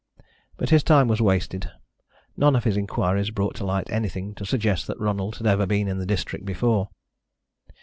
But his time was wasted; none of his inquiries brought to light anything to suggest that Ronald had ever been in the district before.